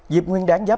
dịp nguyên đáng giáp